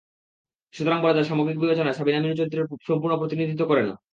সুতরাং বলা যায়, সামগ্রিক বিবেচনায় সাবিনা মিনু চরিত্রের সম্পূর্ণ প্রতিনিধিত্ব করে না।